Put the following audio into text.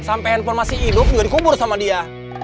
sampai informasi hidup juga dikubur sama dia